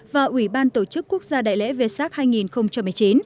và ủy ban tổ chức quốc gia đại lễ vê sác hai nghìn một mươi chín